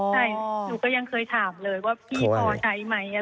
ใช่หนูก็ยังเคยถามเลยว่าพี่พอใช้ไหมอะไรอย่างนี้ค่ะ